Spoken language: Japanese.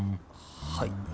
はい。